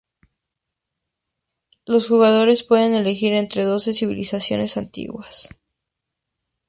Los jugadores pueden elegir entre doce civilizaciones antiguas.